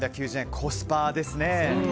コスパですね。